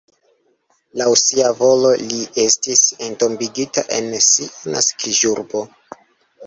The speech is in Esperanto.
Laŭ sia volo li estis entombigita en sia naskiĝurbo.